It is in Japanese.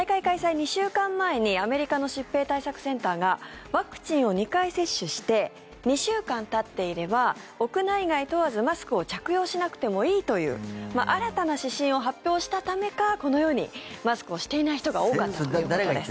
２週間前にアメリカの疾病対策センターがワクチンを２回接種して２週間たっていれば屋内外問わず、マスクを着用しなくてもいいという新たな指針を発表したためかこのようにマスクをしていない人が多かったということです。